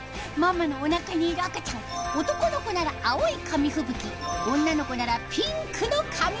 ママのおなかにいる赤ちゃん男の子なら青い紙吹雪女の子ならピンクの紙吹雪が。